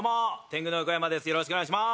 よろしくお願いします。